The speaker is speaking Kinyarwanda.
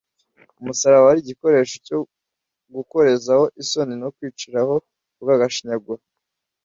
Umusaraba wari igikoresho cyo gukorezaho isoni no kwiciraho urw’agashinyaguro,